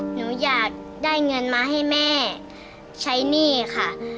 หนูอยากได้เงินมาให้แม่ใช้หนี้ค่ะ